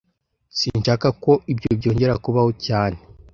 Sinshaka ko ibyo byongera kubaho cyane